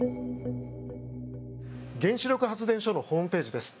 原子力発電所のホームページです。